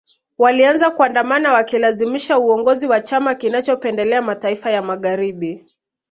Walianza kuandamana wakalazimisha uongozi wa chama kinachopendelea mataifa ya Magharibi